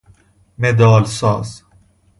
مدال ساز